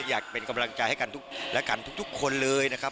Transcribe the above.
อยากเป็นกำลังใจให้กันและกันทุกคนเลยนะครับ